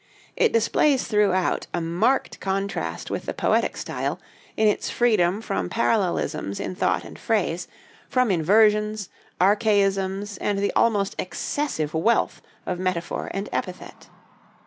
It displays throughout a marked contrast with the poetic style, in its freedom from parallelisms in thought and phrase, from inversions, archaisms, and the almost excessive wealth of metaphor and epithet.